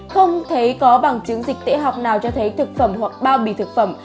không thấy có bằng chứng dịch tễ học nào cho thấy thực phẩm hoặc bao bì thực phẩm